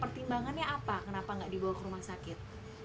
pertimbangannya apa kenapa nggak dibawa ke rumah sakit